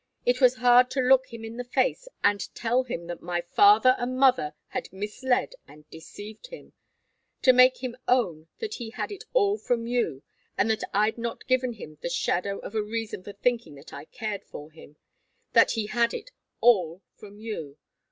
It was hard to look him in the face, and tell him that my father and mother had misled and deceived him to make him own that he had it all from you, and that I'd not given him the shadow of a reason for thinking that I cared for him that he had it all from you.